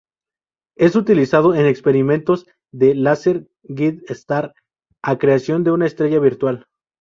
Es utilizado en experimentos de "laser guide star", o creación de una estrella virtual.